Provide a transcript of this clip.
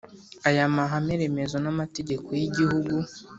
Aya mahame remezo n amategeko y igihugu